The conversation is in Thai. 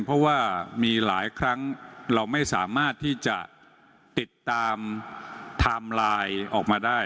เพราะว่ามีหลายครั้งเราไม่สามารถที่จะติดตามไทม์ไลน์ออกมาได้